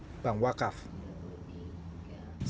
selain pendidikan ekonomi syariah termasuk bank wakaf